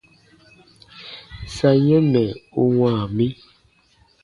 Sa yɛ̃ mɛ̀ u wãa mi.